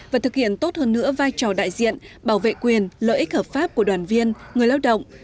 và thực hiện tốt hơn nữa vai trò đại diện bảo vệ quyền lợi ích hợp pháp của đoàn viên người lao động